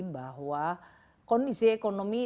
bahwa kondisi ekonomi